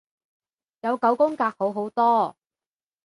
有九宮格好好多